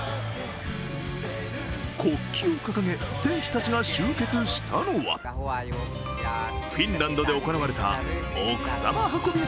国旗を掲げ、選手たちが集結したのはフィンランドで行われた奥様運び